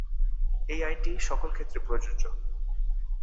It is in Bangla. এই আইনটি সকল ক্ষেত্রে প্রযোজ্য।